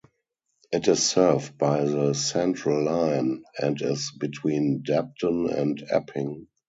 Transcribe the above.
It is served by the Central line and is between Debden and Epping.